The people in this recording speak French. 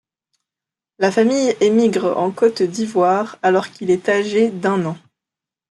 La famille émigre en Côte d’Ivoire alors qu’il est âgé d’un an.